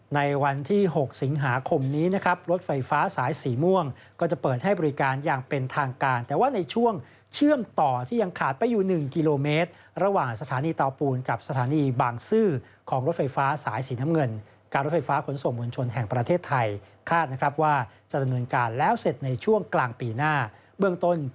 ในวันที่๖สิงหาคมนี้นะครับรถไฟฟ้าสายสีม่วงก็จะเปิดให้บริการอย่างเป็นทางการแต่ว่าในช่วงเชื่อมต่อที่ยังขาดไปอยู่๑กิโลเมตรระหว่างสถานีเตาปูนกับสถานีบางซื่อของรถไฟฟ้าสายสีน้ำเงินการรถไฟฟ้าขนส่งมวลชนแห่งประเทศไทยคาดนะครับว่าจะดำเนินการแล้วเสร็จในช่วงกลางปีหน้าเบื้องต้น